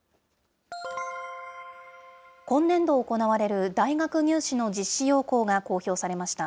今年度行われる大学入試の実施要項が公表されました。